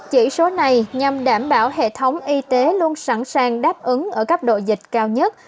chỉ số này nhằm đảm bảo hệ thống y tế luôn sẵn sàng đáp ứng ở cấp độ dịch cao nhất